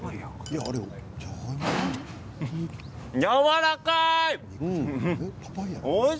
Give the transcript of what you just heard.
やわらかい。